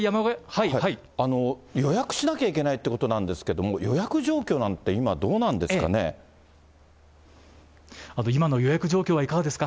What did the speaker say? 予約しなきゃいけないということなんですけど、予約状況なんて今、今の予約状況はいかがですか。